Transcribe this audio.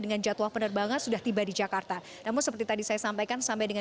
dengan jadwal penerbangan sudah tiba di jakarta namun seperti tadi saya sampaikan sampai dengan